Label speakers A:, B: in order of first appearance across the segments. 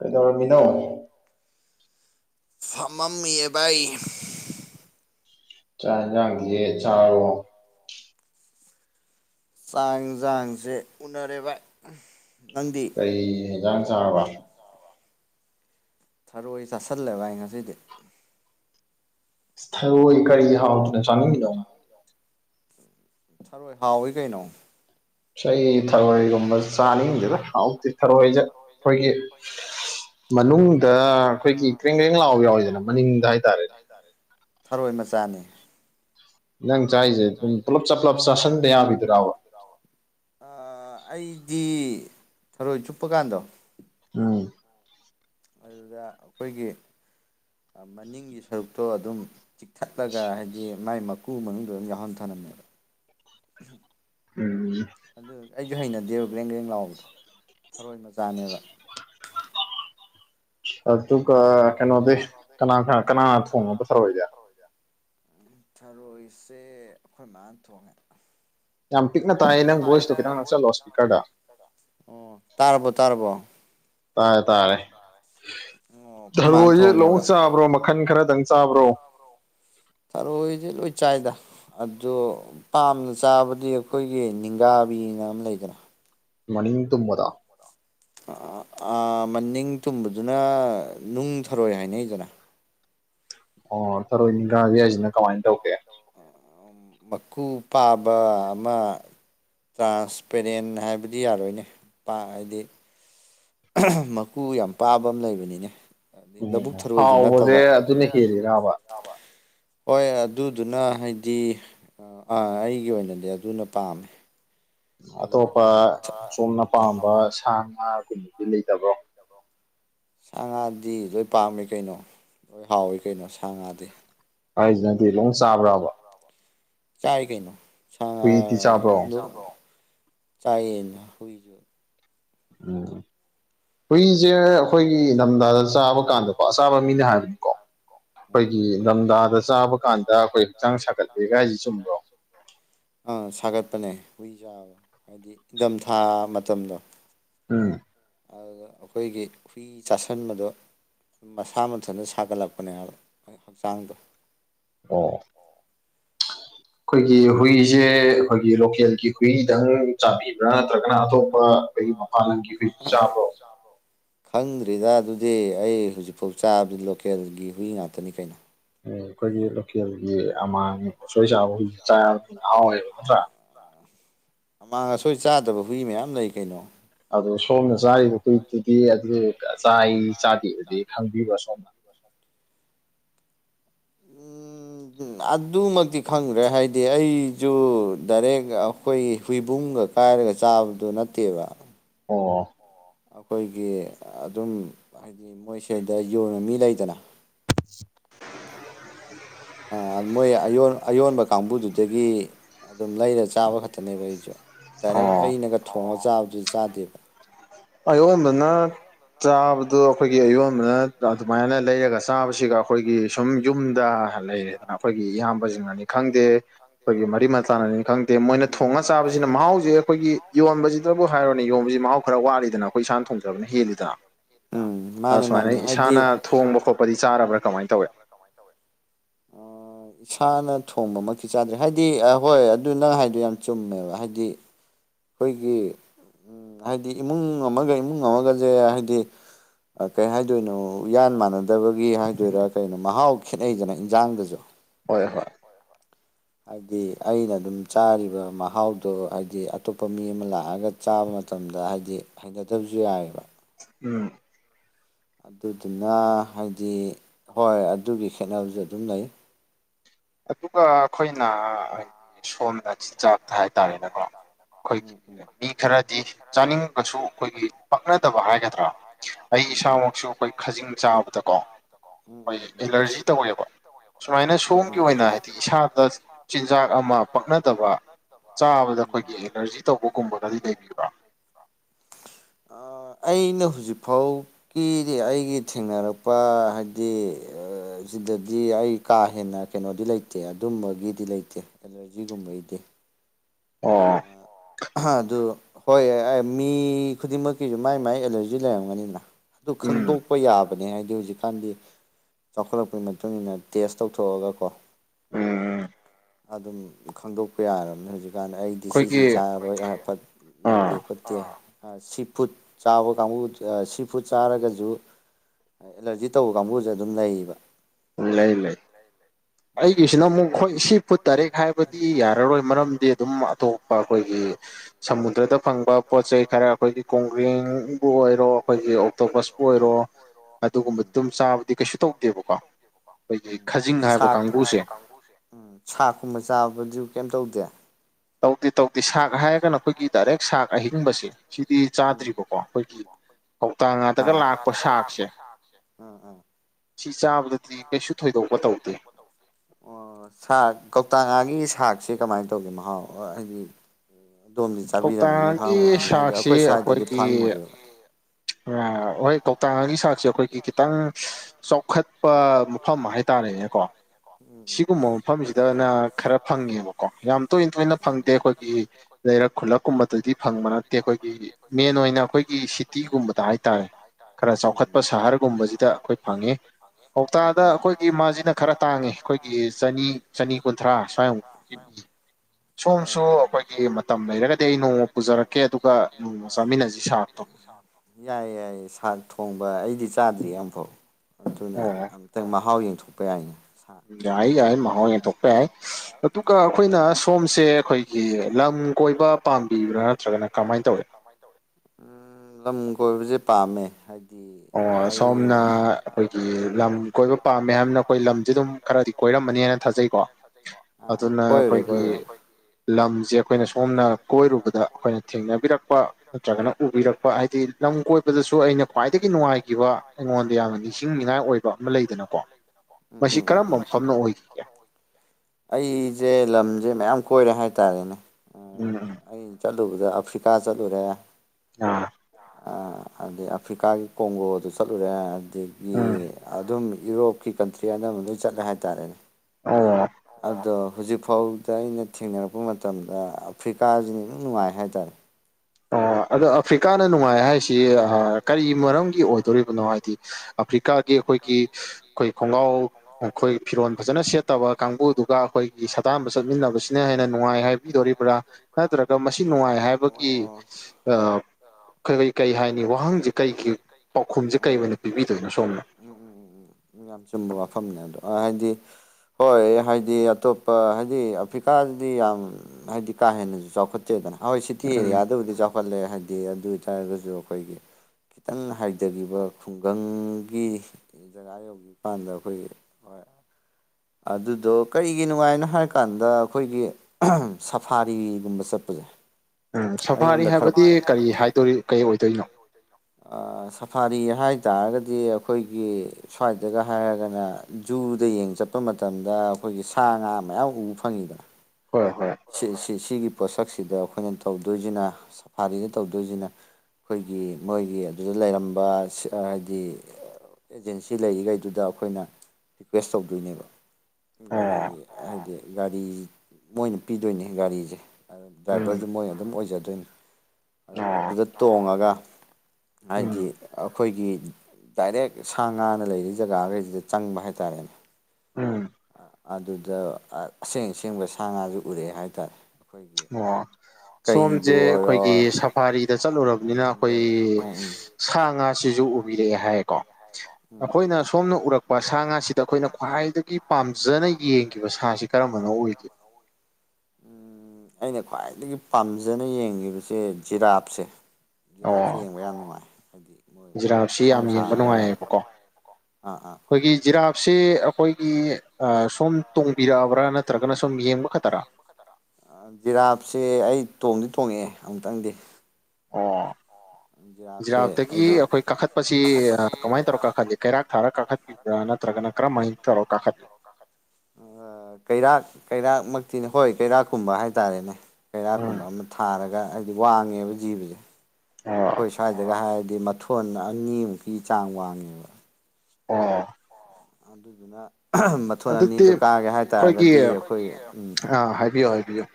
A: ꯀꯩꯗꯧꯔꯝꯃꯤꯅꯣ
B: ꯐꯃꯝꯃꯤꯌꯦ ꯕꯥꯏ
A: ꯆꯥꯛ ꯏꯟꯖꯥꯡꯗꯤ ꯆꯥꯔꯕꯣ
B: ꯆꯥꯛ ꯏꯟꯖꯥꯡꯖꯦ ꯎꯅꯔꯦ ꯕꯥꯏ ꯅꯪꯗꯤ
A: ꯀꯩ ꯍꯦꯟꯖꯥꯡ ꯆꯥꯔꯕ
B: ꯊꯔꯣꯏ ꯆꯥꯥꯁꯜꯂꯦ ꯕꯥꯏ ꯉꯁꯤꯗꯤ
A: ꯏꯁ ꯊꯔꯣꯏ ꯀꯔꯤ ꯍꯥꯎꯗꯅ ꯆꯅꯤꯡꯉꯤꯅꯣ
B: ꯑꯁ ꯊꯔꯣꯏ ꯍꯥꯎꯌꯤ ꯀꯩꯅꯣ
A: ꯏꯁ ꯑꯩ ꯊꯔꯣꯏꯒꯨꯝꯕ ꯆꯥꯅꯤꯡꯗꯦꯗ ꯍꯥꯎꯇꯦ ꯊꯔꯣꯏꯖꯦ ꯑꯈꯣꯏꯒꯤ ꯃꯅꯨꯡꯗ ꯑꯩꯈꯣꯏꯒꯤ ꯀ꯭ꯔꯦꯡ ꯀ꯭ꯔꯦꯡ ꯂꯥꯎꯕ ꯌꯥꯎꯋꯤꯗꯅ ꯃꯅꯤꯡꯗ ꯍꯥꯏꯇꯥꯔꯦꯅꯦ
B: ꯇꯔꯦ ꯊꯔꯣꯏ ꯃꯆꯥꯅꯦ
A: ꯅꯪ ꯆꯥꯏꯖꯦ ꯗꯨꯝ ꯄꯨꯂꯞ ꯆꯞꯂꯞ ꯆꯥꯁꯤꯟꯕ ꯌꯥꯕꯤꯗꯨꯔꯕ
B: ꯑꯥ ꯑꯩꯗꯤ ꯊꯔꯣꯏ ꯆꯨꯞꯄ ꯀꯥꯟꯗꯣ
A: ꯎꯝ
B: ꯑꯗꯨꯗ ꯑꯈꯣꯏꯒꯤ ꯑ‌ ꯃꯅꯤꯡꯒꯤ ꯁꯔꯨꯛꯇꯣ ꯑꯗꯨꯝ ꯆꯤꯛ ꯊꯠꯂꯒ ꯍꯥꯏꯗꯤ ꯃꯥꯏ ꯃꯀꯨ ꯃꯅꯨꯡꯗ ꯑꯗꯨꯝ ꯌꯥꯎꯍꯟ ꯊꯅꯝꯃꯦꯕ
A: ꯎꯝ
B: ꯑꯗꯨ ꯑꯩꯗꯤ ꯍꯩꯅꯗꯦꯕ ꯒ꯭ꯔꯦꯡ ꯒ꯭ꯔꯦꯡ ꯂꯥꯎꯕꯗꯣ ꯊꯔꯣꯏ ꯃꯆꯥꯅꯦꯕ
A: ꯑꯗꯨꯒ ꯀꯩꯅꯣꯗꯤ ꯀꯅꯥ ꯀꯅꯥ ꯀꯅꯥꯅ ꯊꯣꯡꯉꯕ ꯊꯔꯣꯏꯗꯤ
B: ꯊꯔꯣꯏꯁꯦ ꯑꯩꯈꯣꯏ ꯃꯥꯅ ꯊꯣꯡꯉꯦ
A: ꯄꯤꯛꯅ
B: ꯌꯥꯝ ꯄꯤꯛꯅꯥ
A: ꯅꯪ
B: ꯇꯥꯏꯌꯦ
A: ꯚꯣꯏꯁꯇꯣ
B: ꯅꯪꯒꯤ
A: ꯈꯤꯇꯪ
B: ꯕꯣꯏꯁꯇꯣ
A: ꯅꯛꯁꯜꯂꯣ
B: ꯈꯤꯇꯪ
A: ꯏꯁꯄꯤꯀꯔꯗ
B: ꯍꯥꯞꯆꯟꯂꯛꯑꯣ [unintelligible] ꯇꯥꯔꯕꯣ ꯇꯥꯔꯕꯣ
A: ꯇꯥꯔꯦ ꯇꯥꯔꯦ
B: ꯑꯣ ꯑꯩꯈꯣꯏ ꯃꯥꯅ
A: ꯊꯔꯣꯏꯖꯦ ꯂꯣꯡ
B: ꯊꯣꯡꯉꯦꯕ
A: ꯆꯥꯕ꯭ꯔꯣ ꯃꯈꯟ ꯈꯔꯗꯪ ꯆꯥꯕ꯭ꯔꯣ
B: ꯊꯔꯣꯏꯖꯦ ꯂꯣꯏ ꯆꯥꯏꯗ ꯑꯗꯣ ꯄꯥꯝꯅ ꯆꯥꯕꯗꯤ ꯑꯩꯈꯣꯏꯒꯤ ꯅꯤꯡꯒꯥꯕꯤꯅ ꯑꯃ ꯂꯩꯗꯅ
A: ꯃꯅꯤꯡ ꯇꯨꯝꯕꯗꯣ
B: ꯑꯥ ꯃꯅꯤꯡ ꯇꯨꯝꯕꯗꯨꯅ ꯅꯨꯡ ꯊꯔꯣꯏ ꯍꯥꯏꯅꯩꯗꯅ
A: ꯑꯣ ꯊꯔꯣꯏ ꯅꯤꯡꯒꯥꯕꯤ ꯍꯥꯏꯖꯤꯅ ꯀꯃꯥꯏꯟ ꯇꯧꯒꯦ
B: ꯃꯀꯨ ꯄꯥꯕ ꯑꯃ ꯇ꯭ꯔꯥꯟꯁꯄꯦꯔꯦꯟ ꯍꯥꯏꯕꯗꯤ ꯌꯥꯔꯣꯏꯅꯦ ꯄꯥ ꯍꯥꯏꯗꯤ ꯃꯀꯨ ꯌꯥꯝ ꯄꯥꯕ ꯑꯃ ꯂꯩꯕꯅꯤꯅꯦ ꯑꯗꯩ ꯂꯧꯕꯨꯛ
A: ꯎꯝ
B: ꯊꯔꯣꯏꯁꯨ
A: ꯍꯥꯎꯕꯗꯤ
B: ꯅꯠꯇꯕ
A: ꯑꯗꯨꯅ ꯍꯦꯜꯂꯤꯔꯥꯕ
B: ꯍꯣꯏ ꯑꯗꯨꯗꯨꯅ ꯍꯥꯏꯗꯤ ꯑ ꯑꯥ ꯑꯩꯒꯤ ꯑꯣꯏꯅꯗꯤ ꯑꯗꯨꯅ ꯄꯥꯝꯃꯦ ꯍꯥꯏꯗꯤ
A: ꯑꯇꯣꯞꯄ ꯁꯣꯝꯅ ꯄꯥꯝꯕ ꯁꯥ ꯉꯥꯒꯨꯝꯕꯗꯤ ꯂꯩꯇꯕ꯭ꯔꯣ
B: ꯁꯥ ꯉꯥꯗꯤ ꯂꯣꯏ ꯄꯥꯝꯃꯤ ꯀꯩꯅꯣ ꯂꯣꯏ ꯍꯥꯎꯏ ꯀꯩꯅꯣ ꯁꯥ ꯉꯥꯗꯤ
A: ꯍꯥꯏꯁꯤꯅꯗꯤ ꯂꯣꯡ ꯆꯥꯕ꯭ꯔꯕ
B: ꯆꯥꯕ꯭ꯔꯥꯕ ꯆꯥꯏ ꯀꯩꯅꯣ ꯁꯥ ꯉꯥ ꯆꯥꯕ꯭ꯔꯣ ꯆꯥꯏꯌꯦꯅ ꯍꯨꯏꯖꯨ
A: ꯎꯝ ꯍꯨꯏꯖꯦ ꯑꯩꯈꯣꯏꯒꯤ ꯏꯪꯗꯝꯗꯥꯗ ꯆꯥꯕ
B: ꯆꯥꯕ ꯀꯥꯟꯗꯀꯣ ꯑꯆꯥꯕ ꯃꯤꯅ ꯍꯥꯏꯕꯅꯤꯀꯣ ꯎꯝ ꯎꯝ ꯑꯩꯈꯣꯏꯒꯤ ꯏꯪꯗꯝꯗꯥꯗ ꯆꯥ
A: [unintelligible] ꯑꯩꯈꯣꯏ ꯍꯛꯆꯥꯡ ꯁꯥꯒꯠꯂꯦꯒꯥ ꯍꯥꯏꯖꯦ ꯆꯨꯝꯕ꯭ꯔꯣ
B: ꯑꯥ ꯁꯥꯒꯠꯄꯅꯦ ꯍꯨꯏ ꯆꯥꯕ ꯍꯥꯏꯗꯤ ꯏꯪꯗꯝꯊꯥ ꯃꯇꯝꯗꯣ
A: ꯎꯝ
B: ꯑꯗꯨꯗ ꯑꯩꯈꯣꯏꯒꯤ ꯍꯨꯏ ꯆꯥꯁꯟꯕꯗꯣ ꯃꯁꯥ ꯃꯊꯟꯇꯥ ꯁꯥꯒꯠꯂꯛꯄꯅꯦꯕ ꯍꯛꯆꯥꯡꯗꯣ
A: ꯑꯣ ꯑꯩꯈꯣꯏꯒꯤ ꯍꯨꯏꯖꯦ ꯑꯩꯈꯣꯏꯒꯤ ꯂꯣꯀꯦꯜꯒꯤ ꯍꯨꯏꯗꯪ ꯆꯥꯕꯤꯕ꯭ꯔꯥ ꯅꯠꯇ꯭ꯔꯒꯅꯥ ꯑꯇꯣꯞꯄ ꯑꯩꯈꯣꯏꯒꯤ ꯃꯄꯥꯟ ꯂꯝꯒꯤ ꯍꯨꯏꯗꯤ ꯆꯥꯕ꯭ꯔꯣ
B: ꯈꯪꯗ꯭ꯔꯤꯗ ꯑꯗꯨꯗꯤ ꯑꯩ ꯍꯧꯖꯤꯛꯐꯧ ꯆꯥꯕꯗꯤ ꯂꯣꯀꯦꯜꯒꯤ ꯍꯨꯏ ꯉꯥꯛꯇꯅꯤ ꯀꯩꯅꯣ
A: ꯎꯝ ꯑꯩꯈꯣꯏꯒꯤ ꯂꯣꯀꯦꯜꯒꯤ ꯑꯃꯥꯡ ꯑꯁꯣꯏ ꯆꯥꯕ ꯍꯨꯏꯗꯤ ꯆꯥꯕꯗꯤ ꯍꯥꯎꯋꯦꯕ ꯅꯠꯇ꯭ꯔꯥ
B: ꯑꯃꯥꯡ ꯑꯁꯣꯏ ꯆꯥꯗꯕ ꯍꯨꯏ ꯃꯌꯥꯝ ꯂꯩ ꯀꯩꯅꯣ
A: ꯑꯗꯨ ꯁꯣꯝꯅ ꯆꯥꯔꯤꯕ ꯍꯨꯏꯇꯨꯗꯤ ꯑꯗꯨ ꯆꯥꯏ ꯆꯥꯗꯦ ꯑꯗꯨꯗꯤ ꯈꯪꯕꯤꯕ꯭ꯔꯥ ꯁꯣꯝꯅ [inaudible]
B: ꯎꯝ ꯑꯗꯨꯃꯛꯇꯤ ꯈꯪꯗ꯭ꯔꯦ ꯍꯥꯏꯗꯤ ꯑꯩꯖꯨ ꯗꯥꯏꯔꯦꯛ ꯑꯩꯈꯣꯏꯒꯤ ꯍꯨꯏꯕꯨꯝꯒ ꯀꯥꯏꯔꯒ ꯆꯥꯕꯗꯨ ꯅꯠꯇꯦꯕ
A: ꯑꯣ
B: ꯑꯩꯈꯣꯏꯒꯤ ꯑꯗꯨꯝ ꯍꯥꯏꯗꯤ ꯃꯣꯏ [unintelligible] ꯌꯣꯟꯕ ꯃꯤ ꯂꯩꯗꯅ
A: [inaudible]
B: ꯑꯥ ꯃꯣꯏ ꯑꯌꯣꯟ ꯑꯌꯣꯟꯕ ꯀꯥꯡꯕꯨꯗꯨꯗꯒꯤ ꯑꯗꯨꯝ ꯂꯩꯔꯥ ꯆꯥꯕ ꯈꯛꯇꯅꯦꯕ ꯑꯩꯖꯨ ꯗꯥꯏꯔꯦꯛ
A: ꯑꯣ
B: ꯑꯩꯅꯒ ꯊꯣꯡꯉꯒ ꯆꯥꯕꯗꯨꯗꯤ ꯆꯥꯗꯦꯕ
A: ꯑꯌꯣꯟꯕꯅ ꯆꯥꯕꯗꯨ ꯑꯈꯣꯏꯒꯤ ꯑꯌꯣꯟꯕꯅ ꯑꯗꯨꯃꯥꯏꯅ ꯂꯩꯔꯒ ꯆꯥꯕꯁꯤꯒ ꯑꯈꯣꯏꯒꯤ ꯁꯨꯝ ꯌꯨꯝꯗ ꯂꯩꯔꯦꯗꯅ ꯑꯈꯣꯏꯒꯤ ꯏꯌꯥꯝꯕꯁꯤꯡꯅꯅꯤ ꯈꯪꯗꯦ ꯑꯈꯣꯏꯒꯤ ꯃꯔꯤ ꯃꯇꯥꯅꯅꯤ ꯈꯪꯗꯦ ꯃꯣꯏꯅ ꯊꯣꯡꯉ ꯆꯥꯕꯁꯤꯅ ꯃꯍꯥꯎꯁꯦ ꯑꯈꯣꯏꯒꯤ ꯌꯣꯟꯕꯁꯤꯗꯕꯨ ꯍꯥꯏꯔꯣꯅꯦ ꯌꯣꯟꯕꯁꯤ ꯃꯍꯥꯎ ꯈꯔ ꯋꯥꯠꯂꯤ ꯑꯗꯨꯅ ꯑꯈꯣꯏ ꯏꯁꯥꯅ ꯊꯣꯡꯖꯕꯅ
B: ꯎꯝ
A: ꯍꯦꯜꯂꯤꯗꯅ
B: ꯃꯥꯅꯦ
A: ꯁꯨꯃꯥꯏꯅ
B: ꯃꯥꯅꯦ ꯍꯥꯏꯗꯤ
A: ꯏꯁꯥꯅ ꯊꯣꯡꯕ ꯈꯣꯠꯄꯗꯤ ꯆꯥꯔꯕ꯭ꯔꯥ ꯀꯃꯥꯏ ꯇꯧꯋꯦ
B: ꯑ ꯏꯁꯥꯅ ꯊꯣꯡꯕꯃꯛꯇꯤ ꯆꯥꯗ꯭ꯔꯤ ꯍꯥꯏꯗꯤ ꯑ ꯍꯣꯏ ꯑꯗꯨ ꯅꯪ ꯍꯥꯏꯗꯣ ꯌꯥꯝ ꯆꯨꯝꯃꯦꯕ ꯍꯥꯏꯗꯤ ꯑꯈꯣꯏꯒꯤ ꯎꯝ ꯍꯥꯏꯗꯤ ꯏꯃꯨꯡ ꯑꯃꯒ ꯏꯃꯨꯡ ꯑꯃꯒꯁꯦ ꯍꯥꯏꯗꯤ ꯑ ꯀꯩ ꯍꯥꯏꯗꯣꯏꯅꯣ ꯎꯌꯥꯟ ꯃꯥꯟꯅꯗꯕꯒꯤ ꯍꯥꯏꯗꯣꯏꯔꯥ ꯀꯩꯅꯣ ꯃꯍꯥꯎ ꯈꯦꯠꯅꯩꯗꯅ ꯏꯟꯖꯥꯡꯗꯁꯨ
A: ꯍꯣꯏ ꯍꯣꯏ
B: ꯍꯥꯏꯗꯤ ꯑꯩꯅ ꯑꯗꯨꯝ ꯆꯥꯔꯤꯕ ꯃꯍꯥꯎꯗꯣ ꯍꯥꯏꯗꯤ ꯑꯇꯣꯞꯄ ꯃꯤ ꯑꯃ ꯂꯥꯛꯑꯒ ꯆꯥꯕ ꯃꯇꯝꯗ ꯍꯥꯏꯗꯤ ꯍꯩꯅꯗꯕꯁꯨ ꯌꯥꯏꯌꯦꯕ
A: ꯎꯝ
B: ꯑꯗꯨꯗꯨꯅ ꯍꯥꯏꯗꯤ ꯍꯣꯏ ꯑꯗꯨꯒꯤ ꯈꯦꯠꯅꯕꯁꯨ ꯑꯗꯨꯝ ꯂꯩ
A: ꯑꯗꯨꯒ ꯑꯈꯣꯏꯅ ꯍꯥꯏꯗꯤ ꯁꯣꯝꯗ ꯆꯤꯟꯖꯥꯛꯇ ꯍꯥꯏꯇꯥꯔꯦꯅꯀꯣ ꯑꯈꯣꯏꯒꯤ
B: ꯎꯝ ꯎꯝ
A: ꯃꯤ ꯈꯔꯗꯤ ꯆꯥꯅꯤꯡꯉꯁꯨ ꯑꯈꯣꯏꯒꯤ ꯄꯛꯅꯗꯕ ꯍꯥꯏꯒꯗ꯭ꯔꯥ ꯑꯩ
B: ꯎꯝ ꯎꯝ
A: ꯏꯁꯥꯃꯛꯁꯨ ꯑꯈꯣꯏ ꯈꯖꯤꯡ ꯆꯥꯕꯗꯀꯣ
B: ꯎꯝ
A: ꯈꯣꯏ
B: ꯎꯝ ꯎꯝ
A: ꯑꯦꯂꯔꯖꯤ ꯇꯧꯋꯦꯕ ꯁꯨꯃꯥꯏꯅ ꯁꯨꯝ ꯑꯩꯑꯤ ꯑꯣꯏꯅ ꯍꯥꯏꯗꯤ ꯏꯁꯥꯗ ꯆꯤꯟꯖꯥꯛ ꯑꯃ ꯄꯛꯅꯗꯕ ꯆꯥꯕꯗ ꯑꯈꯣꯏꯒꯤ ꯑꯦꯂꯔꯖꯤ ꯇꯧꯕꯒꯨꯝꯕꯒꯗꯤ ꯂꯩꯕꯤꯕ꯭ꯔꯥ
B: ꯑ ꯑꯩꯅ ꯍꯧꯖꯤꯛꯐꯥꯎ ꯀꯤꯗꯤ ꯑꯩꯒꯤ ꯊꯦꯡꯅꯔꯛꯄ ꯍꯥꯏꯗꯤ ꯁꯤꯗꯗꯤ ꯑꯩ ꯀꯥ ꯍꯦꯟꯅ ꯀꯩꯅꯣꯗꯤ ꯂꯩꯇꯦ ꯑꯗꯨꯝꯕꯒꯤꯗꯤ ꯂꯩꯇꯦ ꯑꯦꯂꯔꯖꯤꯒꯨꯝꯕꯩꯗꯤ
A: ꯑꯣ
B: ꯑꯗꯨ ꯍꯣꯏ ꯑ ꯃꯤ ꯈꯨꯗꯤꯡꯃꯛꯀꯤꯁꯨ ꯃꯥꯏ ꯃꯥꯏ ꯑꯦꯂꯔꯖꯤ ꯂꯩꯔꯝꯒꯅꯤꯗꯅ ꯑꯗꯨ
A: ꯎꯝ
B: ꯈꯪꯗꯣꯛꯄ ꯌꯥ ꯕꯅꯤ ꯍꯥꯏꯗꯤ ꯍꯧꯖꯤꯛꯀꯥꯟꯗꯤ ꯆꯥꯎꯈꯠꯂꯛꯄꯒꯤ ꯃꯇꯨꯡ ꯏꯟꯅ ꯇꯦꯁ ꯇꯧꯊꯣꯛꯑꯒ ꯀꯣ
A: ꯎꯝ
B: ꯑꯗꯨꯝ ꯈꯪꯗꯣꯛꯄ ꯌꯥꯔꯕꯅꯤ ꯍꯧꯖꯤꯛꯀꯥꯟ ꯑꯩꯗꯤ ꯁꯤꯁꯤ
A: ꯑꯩꯈꯣꯏꯒꯤ
B: ꯆꯥꯕ ꯂꯣꯏ [unintelligible]
A: ꯑꯥ
B: ꯌꯥꯗꯦ ꯈꯣꯠꯇꯦ ꯁꯤ ꯐꯨꯗ ꯆꯥꯕ ꯀꯥꯡꯕꯨ ꯑ ꯁꯤ ꯐꯨꯗ ꯆꯥꯔꯒꯁꯨ ꯑꯦꯂꯔꯖꯤ ꯇꯧꯕ ꯀꯥꯡꯕꯨꯁꯦ ꯑꯗꯨꯝ ꯂꯩꯌꯦꯕ
A: ꯂꯩ ꯂꯩ
B: ꯎꯝ
A: ꯑꯩꯒꯤꯁꯤꯅ
B: ꯑꯗꯨꯗꯨ
A: ꯑꯃꯨꯛ ꯍꯣꯏ ꯁꯤ ꯐꯨꯠ ꯗꯥꯏꯔꯦꯛ ꯍꯥꯏꯕꯗꯤ ꯌꯥꯔꯔꯣꯏ ꯃꯔꯝꯗꯤ ꯑꯗꯨꯝ ꯑꯇꯣꯞ ꯑꯩꯈꯣꯏꯒꯤ ꯁꯃꯨꯗ꯭ꯔꯗ ꯐꯪꯕ ꯄꯣꯠ ꯆꯩ ꯈꯔ ꯑꯩꯈꯣꯏꯒꯤ ꯀꯨꯡꯒ꯭ꯔꯦꯡꯕꯨ ꯑꯣꯏꯔꯣ ꯑꯩꯈꯣꯏꯒꯤ
B: ꯑꯩꯈꯣꯏꯒꯤ
A: ꯑꯣꯛꯇꯣꯄꯁꯄꯨ ꯑꯣꯏꯔꯣ
B: ꯑꯣꯛꯇꯣꯕꯁꯄꯨ ꯑꯣꯏꯔꯣ
A: ꯑꯗꯨꯒꯨꯝꯕ ꯑꯗꯨꯝ
B: ꯑꯗꯨꯒꯨꯝꯕ ꯑꯗꯨꯝ ꯆꯥꯕꯗꯤ ꯀꯩꯁꯨ ꯇꯧꯗꯦꯕꯀꯣ
A: [unintelligible] ꯈꯖꯤꯡ
B: ꯁꯥꯒꯤ ꯉꯥꯏꯕ ꯀꯥꯡꯕꯨꯁꯦ ꯎꯝ ꯁꯥ ꯀꯨꯝꯕ ꯆꯥꯕꯗꯨ ꯀꯩꯝ ꯇꯧꯗꯦ
A: ꯇꯧꯗꯦ
B: ꯇꯧꯗꯦ
A: ꯁꯥꯛ
B: ꯇꯧꯗꯦ
A: ꯍꯥꯏꯔꯒꯅ
B: ꯁꯥꯒ
A: ꯑꯩꯈꯣꯏꯒꯤ
B: ꯍꯥꯏꯔꯒꯅ
A: ꯗꯥꯏꯔꯦꯛ
B: ꯑꯩꯈꯣꯏꯒꯤ
A: ꯁꯥꯛ
B: ꯗꯥꯏꯔꯦꯛ
A: ꯑꯍꯤꯡꯕꯁꯦ
B: ꯁꯥꯒ ꯑꯍꯤꯡꯕꯁꯤ ꯁꯤꯗꯤ ꯆꯥꯗ꯭ꯔꯤꯕꯀꯣ ꯑꯩꯈꯣꯏꯒꯤ
A: ꯀꯧꯇꯥꯉꯥ
B: ꯀꯧꯇꯥꯉꯥꯗꯒ ꯂꯥꯛꯄ ꯁꯥꯥꯛꯁꯦ ꯑ ꯑ
A: ꯁꯤ ꯆꯥꯕꯗꯗꯤ ꯀꯩꯁꯨ ꯊꯣꯏꯗꯣꯛꯄ ꯇꯧꯗꯦ
B: ꯑꯣ ꯁ꯭ꯔꯥꯛ ꯀꯧꯇꯥꯉꯥꯒꯤ ꯁꯥꯥꯛꯁꯦ ꯀꯃꯥꯏꯅ ꯇꯧꯒꯦ ꯃꯍꯥꯎ ꯍꯥꯏꯗꯤ ꯑꯗꯣꯝꯗꯤ ꯆꯥꯕꯤꯔꯃꯤꯅ
A: ꯀꯧꯇꯥꯒꯤ
B: ꯈꯪꯉꯝꯒꯅꯤ ꯍꯥꯏꯗꯤ
A: ꯁꯥꯛꯁꯤ
B: ꯑꯩꯈꯣꯏ ꯁ꯭ꯋꯥꯏꯗꯗꯤ ꯐꯪꯗꯦꯕ
A: ꯑ ꯍꯣꯏ ꯀꯧꯇꯥꯥꯒꯤ ꯁꯥꯛꯁꯦ ꯑꯩꯈꯣꯏꯒꯤ ꯈꯤꯇꯪ ꯆꯥꯎꯈꯠꯄ ꯃꯐꯝ ꯍꯥꯏ ꯇꯥꯔꯛꯅꯦꯀꯣ
B: ꯎꯝ
A: ꯁꯤꯒꯨꯝꯕ ꯃꯐꯝꯁꯤꯗꯅ ꯈꯔ ꯐꯪꯉꯦꯕꯀꯣ ꯌꯥꯝ ꯇꯣꯏ ꯇꯣꯏꯅ ꯐꯪꯗꯦ ꯑꯩꯈꯣꯏꯒꯤ ꯂꯩꯔꯛ ꯈꯨꯜꯂꯛ ꯀꯨꯝꯕꯗꯗꯤ ꯐꯪꯕ ꯅꯠꯇꯦ ꯑꯩꯈꯣꯏꯒꯤ ꯃꯦꯟ ꯑꯣꯏꯅ ꯑꯩꯈꯣꯏꯒꯤ ꯁꯤꯇꯤꯒꯨꯝꯕꯗ ꯍꯥꯏꯇꯥꯔꯦ ꯈꯔ
B: ꯎꯝ ꯎꯝ
A: ꯆꯥꯎꯈꯠꯄ ꯁꯍꯔꯒꯨꯝꯕꯁꯤꯗ ꯑꯩꯈꯣꯏ ꯐꯪꯉꯤ
B: ꯎꯝ
A: ꯀꯧꯇꯥꯗ
B: ꯎꯝ
A: ꯑꯩꯈꯣꯏꯒꯤ ꯃꯥꯁꯤꯅ ꯈꯔ ꯇꯥꯡꯉꯦ ꯑꯩꯈꯣꯏꯒꯤ ꯆꯅꯤ ꯆꯅꯤ ꯀꯨꯟꯊ꯭ꯔꯥ ꯁꯨꯃꯥꯏꯃꯨꯛ ꯄꯦ
B: ꯎꯝ
A: ꯄꯤ
B: ꯎꯝ
A: ꯁꯣꯝꯁꯨ
B: ꯑꯣ
A: ꯑꯩꯈꯣꯏꯒꯤ ꯃꯇꯝ ꯂꯩꯔꯒꯗꯤ ꯑꯩ ꯅꯣꯡꯃ ꯄꯨꯖꯔꯛꯀꯦ ꯑꯗꯨꯒ ꯅꯣꯡꯃ ꯆꯥꯃꯤꯟꯅꯁꯤ ꯁꯥ
B: ꯌꯥꯏꯌꯦ ꯌꯥꯏꯌꯦ ꯆꯥꯛ ꯊꯣꯡꯕ ꯑꯩꯗꯤ ꯆꯥꯗ꯭ꯔꯤ ꯑꯃꯐꯥꯎ ꯑꯗꯨꯅ
A: ꯑꯣ
B: ꯈꯤꯇꯪ ꯃꯍꯥꯎ ꯌꯦꯡꯊꯣꯛꯄ ꯌꯥꯏꯅꯦ ꯁꯥꯛꯁꯦ
A: ꯌꯥꯏ ꯌꯥꯏ ꯃꯍꯥꯎ ꯌꯦꯟꯊꯣꯛꯄ ꯌꯥꯏ ꯑꯗꯨꯒ ꯑꯩꯈꯣꯏꯅ ꯁꯣꯝꯁꯦ ꯑꯩꯈꯣꯏ
B: ꯁꯦ ꯑꯩꯈꯣꯏꯒꯤ ꯂꯝ ꯀꯣꯏꯕ
A: ꯅꯠꯇ꯭ꯔꯒꯅ
B: ꯄꯥꯝꯕꯤꯕ꯭ꯔꯥ
A: ꯀꯃꯥꯏꯅ ꯇꯧꯋꯤ
B: ꯅꯠꯇ꯭ꯔꯒꯅ ꯀꯃꯥꯏꯅ ꯇꯧꯋꯦ ꯎ ꯂꯝ ꯀꯣꯏꯕꯁꯦ ꯄꯥꯝꯃꯦ ꯍꯥꯏ
A: ꯑꯣ ꯁꯣꯝꯅ ꯑꯩꯈꯣꯏꯒꯤ ꯂꯝ ꯀꯣꯏꯕ ꯄꯥꯝꯃꯦ ꯍꯥꯏꯕꯅ ꯑꯩꯈꯣꯏ ꯂꯝꯗꯤ ꯑꯗꯨꯝ ꯈꯔꯗꯤ ꯀꯣꯏꯔꯝꯃꯅꯤꯅ ꯊꯥꯖꯩꯀꯣ
B: ꯑꯥ
A: ꯑꯗꯨꯅ
B: ꯀꯣꯏꯔꯨꯔꯦ
A: ꯑꯩꯈꯣꯏꯒꯤ
B: ꯀꯣꯏꯔꯨꯔꯦ
A: ꯂꯝꯁꯦ ꯑꯩꯈꯣꯏꯅ ꯁꯣꯝꯅ ꯀꯣꯏꯔꯨꯕꯗ ꯑꯩꯈꯣꯏꯅ ꯊꯦꯡꯅꯕꯤꯔꯛꯄ ꯅꯠꯇ꯭ꯔꯒꯅ ꯎꯕꯤꯔꯛꯄ ꯍꯥꯏꯗꯤ ꯂꯝ ꯀꯣꯏꯕꯗꯁꯨ ꯑꯩꯅ ꯈ꯭ꯋꯥꯏꯗꯒꯤ ꯅꯨꯡꯉꯥꯏꯈꯤꯕ ꯑꯩꯉꯣꯟꯗ ꯌꯥꯝꯅ ꯅꯤꯡꯁꯤꯡꯅꯤꯉꯥꯏ ꯑꯣꯏꯕ ꯑꯃ ꯂꯩꯗꯅꯀꯣ
B: ꯎꯝ
A: ꯃꯁꯤ
B: ꯎꯝ ꯎꯝ
A: ꯀꯔꯝꯕ
B: ꯃꯁꯤ
A: ꯃꯐꯝꯅ
B: ꯀꯝꯕ ꯍ
A: ꯑꯣꯏꯈꯤꯒꯦ
B: ꯑꯩꯁꯦ ꯂꯝꯁꯦ ꯃꯌꯥꯝ ꯀꯣꯏꯔꯦ ꯍꯥꯏꯇꯥꯔꯦꯅꯦ
A: ꯎꯝ ꯎꯝ
B: ꯑ ꯆꯠꯂꯨꯕꯗ ꯑꯐ꯭ꯔꯤꯀꯥ ꯆꯠꯂꯨꯔꯦ
A: ꯑ
B: ꯑꯗꯨꯩ ꯑꯐ꯭ꯔꯤꯀꯥꯒꯤ ꯀꯣꯡꯒꯣꯗꯨ ꯆꯠꯂꯨꯔꯦ ꯑꯗꯨꯗꯒꯤ
A: ꯎꯝ
B: ꯑꯗꯨꯝ ꯌꯨꯔꯣꯞꯀꯤ ꯀꯟꯇ꯭ꯔꯤ ꯑꯅꯝꯕ ꯂꯣꯏ ꯆꯠꯂꯦ ꯍꯥꯏꯇꯥꯔꯦꯅꯦ
A: ꯑꯣ
B: ꯑꯗꯣ ꯍꯧꯖꯤꯛꯐꯥꯎ ꯐꯧꯗ ꯑꯩꯅ ꯊꯦꯡꯅꯔꯛꯄ ꯃꯇꯝꯗ ꯑꯐ꯭ꯔꯤꯀꯥꯁꯤꯅ ꯅꯨꯡꯉꯥꯏ ꯍꯥꯏꯇꯥꯔꯦ
A: ꯑꯣ ꯑꯗꯣ ꯑꯐ꯭ꯔꯤꯀꯥꯅ ꯅꯨꯡꯉꯥꯏ ꯍꯥꯏꯁꯤ ꯀꯔꯤ ꯃꯔꯝꯒꯤ ꯑꯣꯏꯗꯣꯔꯤꯕꯅꯣ ꯍꯥꯏꯗꯤ ꯑꯐ꯭ꯔꯤꯀꯥꯒꯤ ꯑꯩꯈꯣꯏꯒꯤ ꯑꯩꯈꯣꯏ ꯈꯣꯡꯒꯥꯎ ꯑꯩꯈꯣꯏ ꯐꯤꯔꯣꯜ ꯐꯖꯅ ꯁꯦꯠꯇꯕ ꯀꯥꯡꯕꯨꯗꯨꯒ ꯑꯩꯈꯣꯏꯒꯤ ꯁꯗꯥꯕ ꯆꯠꯃꯤꯟꯅꯕꯁꯤꯅ ꯍꯦꯟꯅ ꯅꯨꯡꯉꯥꯏ ꯍꯥꯏꯕꯤꯗꯣꯔꯤꯕ꯭ꯔꯥ ꯅꯠꯇ꯭ꯔꯒ ꯃꯁꯤ ꯅꯨꯡꯉꯥꯏ ꯍꯥꯏꯕꯒꯤ
B: ꯑꯣ
A: ꯑꯩꯈꯣꯏ ꯀꯩ ꯍꯥꯏꯅꯤ ꯋꯥꯍꯪꯁꯦ ꯀꯩꯒꯤ ꯄꯥꯎꯈꯨꯝꯁꯦ ꯀꯩ ꯑꯣꯏꯅ ꯄꯤꯕꯤꯗꯣꯏꯅꯣ ꯁꯣꯝꯅ
B: ꯌꯣꯛꯅꯤꯡ ꯌꯥꯝ ꯆꯨꯝꯕ ꯋꯥꯐꯝꯅꯦ ꯑꯗꯣ ꯍꯥꯏꯗꯤ ꯍꯣꯏ ꯍꯥꯏꯗꯤ ꯑꯇꯣꯞꯄ ꯍꯥꯏꯗꯤ ꯑꯐ꯭ꯔꯤꯀꯥꯗꯗꯤ ꯌꯥꯝ ꯍꯥꯏꯗꯤ ꯀꯥ ꯍꯦꯟꯅꯁꯨ ꯆꯥꯎꯈꯠꯆꯦꯗꯅ ꯍꯣꯏ ꯁꯤꯇꯤ
A: ꯎꯝ
B: ꯑꯦꯔꯤꯌꯥꯗꯕꯨꯗꯤ ꯆꯥꯎꯈꯠ ꯆꯥꯎꯈꯠꯂꯦ ꯍꯥꯏꯗꯤ ꯑꯗꯨ ꯑꯣꯏꯇꯥꯔꯒꯁꯨ ꯑꯩꯈꯣꯏꯒꯤ ꯈꯤꯇꯪ ꯍꯥꯏꯊꯈꯤꯕ ꯈꯨꯡꯒꯪꯒꯤ ꯖꯒꯥ ꯌꯧꯈꯤꯕ ꯀꯥꯟꯗ ꯑꯩꯈꯣꯏ ꯑꯗꯨꯗꯣ ꯀꯔꯤꯒꯤꯅꯣꯉꯥꯏꯅꯣ ꯍꯥꯏꯔꯀꯥꯟꯗ ꯑꯩꯈꯣꯏꯒꯤ ꯁꯐꯥꯔꯤꯒꯨꯝꯕ ꯆꯠꯄꯁꯦ
A: ꯎꯝ ꯁꯣꯐꯥꯔꯤ
B: ꯑꯩꯉꯣꯟꯗ ꯈꯔ
A: ꯍꯥꯏꯕꯗꯤ ꯀꯔꯤ ꯍꯥꯏꯗꯣꯔꯤ ꯀꯔꯤ ꯑꯣꯏꯗꯣꯏꯅꯣ
B: ꯁꯐꯥꯔꯤ ꯍꯥꯏꯇꯥꯔꯒꯗꯤ ꯑꯩꯈꯣꯏꯒꯤ ꯁ꯭ꯋꯥꯏꯗꯒ ꯍꯥꯏꯔꯒꯅ ꯖꯨꯗ ꯌꯦꯡ ꯆꯠ ꯆꯣꯠꯄ ꯃꯇꯝꯗ ꯑꯩꯈꯣꯏꯒꯤ ꯁꯥ ꯉꯥ ꯃꯌꯥꯝ ꯎꯕ ꯐꯪꯉꯤꯗꯅ
A: ꯍꯣꯏ ꯍꯣꯏ
B: ꯁꯤꯒꯤ ꯄꯣꯠꯁꯛꯁꯤꯗ ꯑꯩꯈꯣꯏꯅ ꯇꯧꯗꯣꯏꯁꯤꯅ ꯁꯐꯥꯔꯤꯗ ꯇꯧꯗꯣꯏꯁꯤꯅ ꯑꯩꯈꯣꯏꯒꯤ ꯃꯣꯏꯒꯤ ꯑꯗꯨꯗ ꯂꯩꯔꯝꯕ ꯍꯥꯏꯗꯤ ꯑꯦꯖꯦꯟꯁꯤ ꯂꯩꯔꯤꯈꯩꯗꯨꯗ ꯑꯩꯈꯣꯏꯅ ꯔꯤꯀ꯭ꯋꯦꯁ ꯇꯧꯗꯣꯏꯅꯦꯕ ꯒꯥꯔꯤ
A: ꯑꯣ
B: ꯍꯥꯏꯗꯤ ꯒꯥꯔꯤ ꯃꯣꯏꯅ ꯄꯤꯗꯣꯏꯅꯦ ꯒꯥꯔꯤꯁꯦ
A: ꯎꯝ
B: ꯗ꯭ꯔꯥꯏꯚꯔꯁꯨ ꯃꯣꯏ ꯑꯗꯨꯝ ꯑꯣꯏꯖꯗꯣꯏꯅꯤ ꯑꯗꯨ
A: ꯑꯣ
B: ꯑꯗꯨꯗ ꯇꯣꯡꯉꯒ
A: ꯎꯝ
B: ꯍꯥꯏꯗꯤ ꯑꯩꯈꯣꯏꯒꯤ ꯗꯥꯏꯔꯦꯛ ꯁꯥ ꯉꯥꯅ ꯂꯩꯔꯤ ꯖꯒꯥꯈꯩꯁꯤꯗ ꯆꯪꯕ ꯍꯥꯏꯇꯥꯔꯦꯅꯦ
A: ꯎꯝ
B: ꯑ ꯑꯗꯨꯗ ꯑ ꯑꯁꯦꯡ ꯑꯁꯦꯡꯕ ꯁꯥ ꯉꯥꯁꯨ ꯎꯔꯛꯑꯦ ꯍꯥꯏꯇꯥꯥꯔꯦ ꯑꯩꯈꯣꯏꯒꯤ
A: ꯑꯣ ꯁꯣꯝꯁꯦ
B: ꯀꯩꯕꯨ ꯑꯣꯏꯔꯣ
A: ꯑꯩꯈꯣꯏꯒꯤ ꯁꯐꯥꯔꯤꯗ ꯆꯠꯂꯨꯔꯕꯅꯤꯅ
B: ꯗꯥꯏꯃꯟꯕꯨ ꯑꯣꯏꯔꯣ
A: ꯑꯩꯈꯣꯏ
B: ꯎꯝ ꯎꯝ
A: ꯁꯥ ꯉꯥꯁꯤꯁꯨ ꯎꯕꯤꯔ‌ꯦꯑꯦ ꯍꯥꯏꯌ‌ꯦꯀꯣ ꯑꯩꯈꯣꯏꯅ ꯁꯣꯝꯅ ꯎꯔꯛꯄ ꯁꯥ ꯉꯥꯁꯤꯗ ꯑꯩꯈꯣꯏꯅ ꯈ꯭ꯋꯥꯏꯗꯒꯤ ꯄꯥꯝꯖꯅ ꯌꯦꯡꯈꯤꯕ ꯁꯥꯁꯤ
B: ꯕ
A: ꯀꯔꯝꯕꯅꯣ
B: ꯁꯥꯁꯤ
A: ꯑꯣꯏꯒꯦ
B: ꯀꯔꯝꯕꯅ ꯑ‌ꯣꯏ ꯎꯝ ꯑꯩꯅ ꯈ꯭ꯋꯥꯏꯗꯒꯤ ꯄꯥꯝꯖꯅ ꯌꯦꯡꯈꯤꯕꯁꯦ ꯖꯤꯔꯥꯞꯁꯦ ꯖꯤꯔꯥꯞꯁꯦ
A: ꯑꯣ
B: ꯌꯦꯡꯕ ꯌꯥꯝ ꯅꯨꯡꯉꯥꯏ ꯍꯥꯏꯗꯤ ꯃꯣꯏ ꯃꯉꯛ
A: ꯖꯤꯔꯥꯞꯁꯤ
B: ꯏꯁꯥꯡ
A: ꯌꯥꯝ ꯌꯦꯡꯕ
B: ꯁꯥꯡꯉꯒ
A: ꯅꯨꯡꯉꯥꯏꯌꯦꯕꯀꯣ
B: ꯑꯥ
A: ꯑꯩꯈꯣꯏꯒꯤ ꯖꯤꯔꯥꯞꯁ‌ꯦ ꯑꯩꯈꯣꯏꯒꯤꯑ ꯑ ꯁ‌ꯣꯝ ꯇꯣꯡꯕꯤꯔꯛꯑꯕ꯭ꯔꯥ ꯅꯠ ꯅꯠꯇ꯭ꯔꯒꯅ ꯁꯨꯝ ꯌꯦꯡꯕ ꯈꯛꯇꯔꯥ
B: ꯖꯤꯔꯥꯞꯁꯦ ꯑꯩ ꯇꯣꯡꯗꯤ ꯇꯣꯡꯉ‌ꯦꯑꯦ ꯑꯃꯨꯛꯇꯪꯗꯤ
A: ꯑꯣ
B: ꯖꯤꯔꯥꯞꯁꯦ
A: ꯨꯖꯤꯔꯥꯥꯞꯇꯒꯤ
B: ꯑꯩꯗꯤ
A: ꯑꯩꯈꯣꯏ ꯀꯥꯈꯠꯄꯁꯤ ꯑ
B: ꯀꯥꯈꯠꯄꯁꯤ
A: ꯀꯃꯥꯏ ꯇꯧꯔ ꯀꯥꯈꯠꯂꯤ
B: ꯀꯃꯥꯏꯅ
A: ꯀꯩꯔꯥꯛ ꯊꯥꯔ ꯀꯥꯈꯠ ꯄꯤꯕ‍꯭ꯔ ꯅꯠꯇ꯭ꯔꯒꯅ ꯀ꯭ꯔꯝ ꯃꯥꯏ ꯇꯧꯔ ꯀꯥꯈꯠ
B: ꯑ ꯀꯩꯔꯥꯛ ꯀꯩꯔꯥꯛꯃꯛꯇꯤꯅꯦ ꯍꯣꯏ ꯀꯩꯔꯥꯛꯀꯨꯝꯕ ꯍꯥꯏꯇꯥꯔꯦꯅꯦ
A: ꯎꯝ
B: ꯀꯩꯔꯥꯛꯀꯨꯝꯕ ꯑꯃ ꯊꯥꯔꯒ ꯍꯥꯏꯗꯤ ꯋꯥꯡꯉꯦꯕ ꯖꯤꯕꯁꯦ
A: ꯑꯣ
B: ꯑꯩꯈꯣꯏ ꯁ꯭ꯋꯥꯏꯗꯒ ꯍꯥꯏꯔꯗꯤ ꯃꯊꯣꯟ ꯑꯅꯤꯃꯨꯛꯀꯤ ꯆꯥꯡ ꯋꯥꯡꯉꯦꯕ
A: ꯑꯣ
B: ꯑꯗꯨꯗꯨꯅ ꯃꯊꯣꯟ
A: ꯑꯗꯨꯗꯤ
B: ꯑꯅꯤꯗꯣ ꯀꯥꯒꯦ
A: ꯑꯩꯈꯣꯏꯒꯤ
B: ꯍꯥꯏꯇꯥꯔꯒꯗꯤ ꯑꯩꯈꯣꯏ ꯎꯝ
A: ꯑꯥ ꯍꯥꯏꯕꯤꯌꯨ ꯍꯥꯏꯕꯤꯌꯨ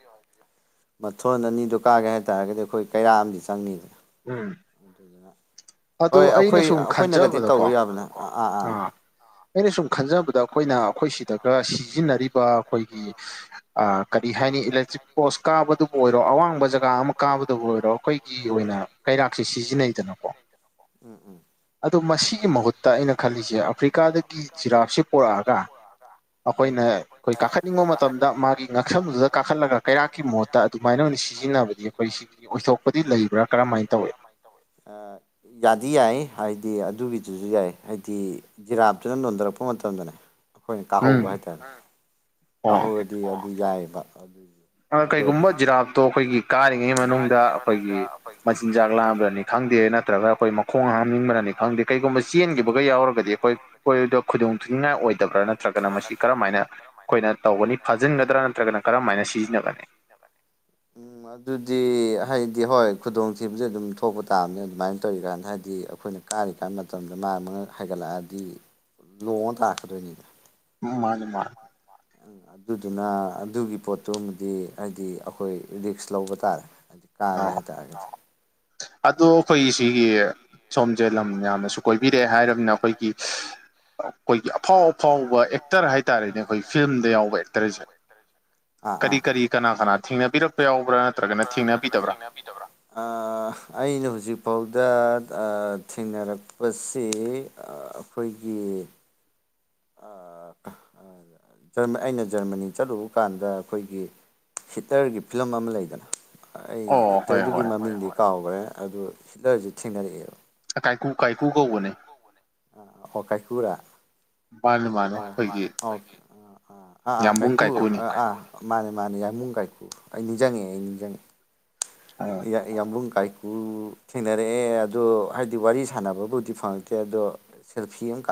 B: ꯃꯊꯣꯟ ꯑꯅꯤꯗꯨ ꯀꯥꯒꯦ ꯍꯥꯏꯇꯥꯔꯒꯗꯤ ꯑꯩꯈꯣꯏ ꯀꯩꯔꯥꯛ ꯑꯝꯗꯤ ꯆꯪꯅꯤꯗꯅ
A: ꯎꯝ
B: ꯑꯗꯨꯗꯨꯅ
A: ꯑꯗꯨ
B: ꯍꯣꯏ ꯑꯩꯈꯣꯏ
A: ꯑꯩꯅ ꯁꯨꯝ
B: ꯑꯩꯈꯣꯏꯅꯒꯗꯤ
A: ꯈꯟꯖꯕꯗꯀꯣ
B: ꯇꯧꯔꯨ ꯌꯥꯕꯅꯦ ꯑꯥ ꯑꯥ ꯑꯥ
A: ꯑꯩꯅ ꯁꯨꯝ ꯈꯟꯖꯕꯗ ꯑꯩꯈꯣꯏꯅ ꯑꯩꯈꯣꯏ ꯁꯤꯗꯒ ꯁꯤꯖꯤꯟꯅꯔꯤꯕ ꯑꯩꯈꯣꯏꯒꯤ ꯑ ꯀꯔꯤ ꯍꯥꯏꯅꯤ ꯏꯂꯦꯛꯇ꯭ꯔꯤꯛ ꯄꯣꯁ ꯀꯥꯕꯗꯨꯕꯨ ꯑꯣꯏꯔꯣ ꯑꯋꯥꯡꯕ ꯖꯒꯥ ꯑꯃ ꯀꯥꯕꯗꯕꯨ ꯑꯣꯏꯔꯣ ꯑꯩꯈꯣꯏꯒꯤ ꯑꯣꯏꯅ ꯀꯩꯔꯥꯛꯁꯤ ꯁꯤꯖꯤꯟꯅꯩꯗꯅꯀꯣ
B: ꯎꯝ ꯎꯝ
A: ꯑꯗ‌ꯣ ꯃꯁꯤꯒꯤ ꯃꯍꯨꯠꯇ ꯑꯩꯅ ꯈꯜꯂꯤꯁꯦ ꯑꯐ꯭ꯔꯤꯀꯥꯗꯒꯤ ꯖꯤꯔꯥꯞꯁ‌ꯦ ꯄꯣꯔꯑꯒ
B: ꯎꯝ
A: ꯑꯩꯈꯣꯏꯅ ꯑꯩꯈꯣꯏ ꯀꯥꯈꯠꯅꯤꯡꯕ ꯃꯇꯝꯗ ꯃꯥꯒꯤ ꯉꯛꯁꯝꯗꯨꯗ ꯀꯥꯈꯠꯂꯒ ꯀꯩꯔꯥꯛꯀꯤ ꯃꯍꯨꯠꯇ ꯑꯗꯨꯃꯥꯏꯅ ꯑꯣꯏꯅ ꯁꯤꯖꯤꯟꯅꯕ ꯒꯤ ꯑꯩꯈꯣꯏ ꯁꯤꯒꯤ ꯑꯣꯏꯊꯣꯛꯄꯗꯤ ꯂꯩꯕ꯭ꯔꯥ ꯀꯔꯝꯍꯥꯏꯅ ꯇꯧꯏ
B: [unintelligible] ꯑꯥ ꯌꯥꯗꯤ ꯌꯥꯏ ꯍꯥꯏꯗꯤ ꯑꯗꯨꯒꯤꯗꯨꯖꯨ ꯌꯥꯏ ꯍꯥꯏꯗꯤ ꯖꯤꯔꯥꯞꯇꯨꯅ ꯅ‌ꯣꯟꯊꯔꯛꯄ ꯃꯇꯝꯗꯅꯦ ꯑꯩꯈꯣꯏꯅ
A: ꯎꯝ
B: ꯀꯥꯍꯧꯕ ꯍꯥꯏꯇꯥꯔꯦ ꯥ
A: ꯑꯣ
B: ꯀꯥꯍꯧꯔꯗꯤ ꯑꯗꯨ ꯌꯥꯏꯕ ꯑꯗꯨ ꯑꯗꯣ
A: ꯀꯩꯒꯨꯝꯕ ꯖꯤꯔꯥꯞꯇꯣ ꯑꯩꯈꯣꯏꯒꯤ ꯀꯥꯔꯤꯉꯩ ꯃꯅꯨꯡꯗ ꯑꯩꯈꯣꯏꯒꯤ ꯃꯆꯤꯟꯖꯥꯛ ꯂꯥꯝꯔꯅꯤ ꯈꯪꯗꯦ ꯅꯠꯇ꯭ꯔꯒ ꯑꯩꯈꯣꯏ ꯃꯈꯣꯡ ꯍꯥꯝꯅꯤꯡꯕꯅꯅꯤ ꯈꯪꯗꯦ ꯀꯩꯒꯨꯝꯕ ꯆꯦꯟꯈꯤꯕꯒ ꯌꯥꯎꯔꯒꯗꯤ ꯑꯩꯈꯣꯏ ꯈ‌ꯣꯏꯗꯣ ꯈꯨꯗꯣꯡ ꯊꯤꯅꯤꯡꯉꯥꯏ ꯑꯣꯏꯗꯕ꯭ꯔꯥ ꯅꯠꯇ꯭ꯔꯒꯅ ꯃꯁꯤ ꯀꯔꯝꯥꯏꯅ ꯑꯩꯈꯣꯏꯅ ꯇꯧꯒꯅꯤ ꯐꯥꯖꯤꯟꯒꯗ꯭ꯔꯥ ꯅꯠꯇ꯭ꯔꯒꯅ ꯀꯔꯝ ꯍꯥꯏꯅ ꯁꯤꯖꯤꯟꯅꯒꯅꯤ
B: ꯎꯝ ꯑꯗꯨꯗꯤ ꯍꯥꯏꯗꯤ ꯍꯣꯏ ꯈꯨꯗꯣꯡꯊꯤꯕꯁ‌ꯦ ꯑꯗꯨꯝ ꯊꯣꯛꯄ ꯇꯥꯕꯅꯦ ꯑꯗꯨꯃꯥꯏꯟ ꯇꯧꯔꯤꯀꯥꯟꯗ ꯍꯥꯏꯗꯤ ꯑꯩꯈꯣꯏꯅ ꯀꯥꯔꯤ ꯀꯥꯟ ꯃꯇꯝꯗ ꯃꯥꯟ ꯃꯥꯉꯛ ꯍꯥꯏꯒꯠꯂꯛꯑꯗꯤ ꯂꯣꯡꯉ ꯇꯥꯔꯛꯀꯗꯣꯏꯅꯤꯗ
A: ꯎꯝ ꯃꯥꯅꯦ ꯃꯥꯟ
B: [unintelligible] ꯑꯗꯨꯗꯨꯅ ꯑꯗꯨꯒꯤ ꯄꯣꯠꯇꯨꯃꯗꯤ ꯍꯥꯏꯗꯤ ꯑꯩꯈꯣꯏ ꯔꯤꯛꯁ ꯂꯧꯕ ꯇꯥꯔꯦ [unintelligible] ꯀꯥꯒꯦ
A: ꯑ
B: ꯍꯥꯏ ꯇꯥꯔꯒꯗꯤ
A: [inaudible] ꯑꯗꯣ ꯑꯩꯈꯣꯏ ꯁꯤꯒꯤ ꯁꯣꯝꯁꯦ ꯂꯝ ꯌꯥꯝꯅꯁꯨ ꯀꯣꯏꯕꯤꯔꯛꯑꯦ ꯍꯥꯏꯔꯕꯅ ꯑꯩꯈꯣꯏꯒꯤ ꯑꯩꯈꯣꯏꯒꯤ ꯑꯐꯥꯎ ꯑꯐꯥꯎꯕ ꯑꯦꯛꯇꯔ ꯍꯥꯏꯇꯥꯔꯦꯅꯦ ꯑꯩꯈꯣꯏ ꯐꯤꯂꯝꯗ ꯌꯥꯎꯕ ꯑꯦꯛꯇꯔꯁꯦ꯫ ꯀꯔꯤ
B: ꯑꯥ
A: ꯀꯔꯤ ꯀꯅꯥ ꯀꯅꯥ ꯊꯦꯡꯅꯕꯤꯔꯛꯄ ꯌꯥꯎꯕ꯭ꯔꯥ ꯅꯠꯇ꯭ꯔꯒꯅ ꯊꯦꯡꯅꯕꯤꯗꯕ꯭ꯔꯥ꯫
B: ꯑ ꯑꯩꯅ ꯍꯧꯖꯤꯛꯐꯥꯎꯗ ꯊꯦꯡꯅꯔꯛꯄꯁꯦ꯫ ꯑꯩꯈꯣꯏꯒꯤ ꯑ ꯑꯩꯅ ꯖꯔꯃꯅꯤ ꯆꯠꯂꯨꯕ ꯀꯥꯟꯗ ꯑꯩꯈꯣꯏꯒꯤ ꯍꯤꯇꯔꯒꯤ ꯐꯤꯂꯝ ꯑꯃ ꯂꯩꯗꯅ꯫ ꯑꯩ
A: ꯑꯣ ꯍꯣꯏ ꯍꯣꯏ
B: ꯑꯦꯛꯇꯔꯗꯨꯒꯤ ꯃꯃꯤꯡꯗꯤ ꯀꯥꯎꯈ꯭ꯔꯦ ꯑꯗꯨ ꯍꯤꯠꯂꯔꯁꯨ ꯊꯦꯡꯅꯔꯛꯑꯦꯕ꯫
A: ꯀꯥꯏ ꯀꯨ ꯀꯥꯏ ꯀꯨ ꯀꯧꯕꯅꯦ꯫
B: ꯑꯣ ꯀꯥꯏꯀꯨꯔꯥ꯫
A: ꯃꯥꯅꯦ ꯃꯥꯅꯦ
B: ꯍ
A: ꯑꯩꯈꯣꯏꯒꯤ
B: ꯍꯦ ꯑꯥ ꯑꯥ
A: ꯌꯥꯝꯕꯨꯡ
B: ꯀꯥꯏꯀꯨ
A: ꯀꯥꯏꯀꯨꯅꯤ
B: ꯑꯥ ꯃꯥꯅꯦ ꯃꯥꯅꯦ ꯌꯥꯝꯃꯨꯡ ꯀꯥꯏꯀꯨ ꯑꯩ ꯅꯤꯡꯁꯤꯡꯉꯛꯑꯦ ꯑꯩ ꯅꯤꯡꯁꯤꯡꯉꯛꯑꯦ꯫
A: ꯑ
B: ꯌ ꯌꯥꯝꯕꯨꯡ ꯀꯥꯏꯀꯨ ꯊꯦꯡꯅꯔꯛꯑꯦ ꯑꯗꯣ ꯍꯥꯏꯗꯤ ꯋꯥꯔꯤ ꯁꯥꯟꯅꯕꯕꯨꯗꯤ ꯐꯪꯉꯛꯇꯦ ꯑꯗꯣ ꯁꯦꯜꯐꯤ ꯑꯃ ꯀꯥꯞꯃꯤꯟ